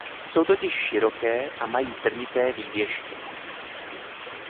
Jsou totiž široké a mají trnité výběžky.